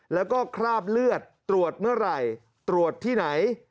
แล้วก็คราบเลือดตรวจเมื่อไหร่ตรวจที่ไหน